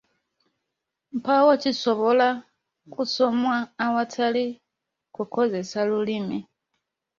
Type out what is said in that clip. Mpaawo kisobola kusomwa awatali kukozesa lulimi.